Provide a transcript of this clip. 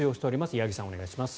八木さん、お願いします。